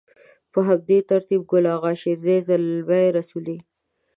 په همدې ترتيب ګل اغا شېرزي، زلمي رسول.